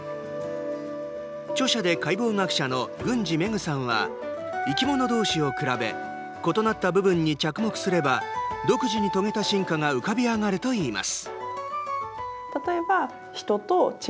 著者で解剖学者の郡司芽久さんは生き物同士を比べ異なった部分に着目すれば独自に遂げた進化が浮かび上がるといいます。